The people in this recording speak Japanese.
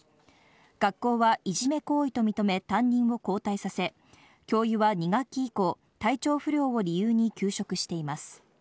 学校はいじめ行為と認め、担任を交代させ、教諭は２学期以降、体調不良を理由に休職しています。